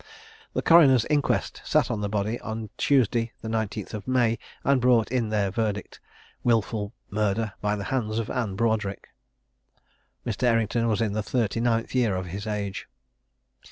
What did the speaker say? The coroner's inquest sat on the body on Tuesday, the 19th of May, and brought in their verdict, "Wilful murder, by the hands of Anne Broadric." Mr. Errington was in the thirty ninth year of his age.